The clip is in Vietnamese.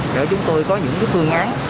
để chúng tôi có những phương án